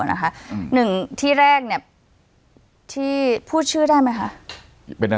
อ่ะนะคะหนึ่งที่แรกเนี้ยที่พูดชื่อได้ไหมค่ะเป็นอะไร